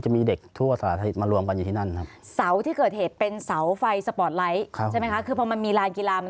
มีทั้งหมดพอดีทีใช่ไหมมีทั้งหมดกี่ต้น